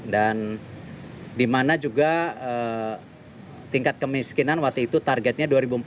dan dimana juga tingkat kemiskinan waktu itu targetnya dua ribu empat puluh lima